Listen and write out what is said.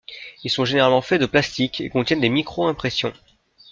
Ils sont généralement faits de plastique et contiennent des micro-impressions.